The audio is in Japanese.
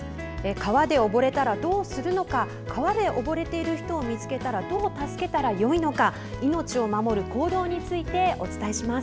川で溺れたらどうするのか川で溺れている人を見つけたらどう助けたらよいのか命を守る行動についてお伝えします。